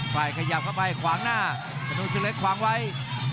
ลาจะเข้าโรงในเนี่ยครับ